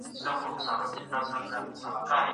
د خدای ښار کتاب ډېر مسايل روښانه کړل.